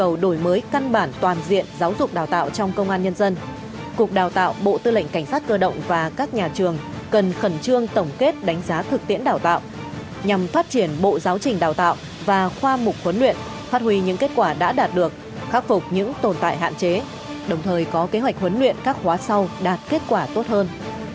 hội đảng mới căn bản toàn diện giáo dục đào tạo trong công an nhân dân cục đào tạo bộ tư lệnh cảnh sát cơ động và các nhà trường cần khẩn trương tổng kết đánh giá thực tiễn đào tạo nhằm phát triển bộ giáo trình đào tạo và khoa mục huấn luyện phát huy những kết quả đã đạt được khắc phục những tồn tại hạn chế đồng thời có kế hoạch huấn luyện các hóa sau đạt kết quả tốt hơn